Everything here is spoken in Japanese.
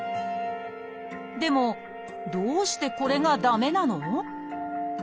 でもどうしてこれが駄目なの？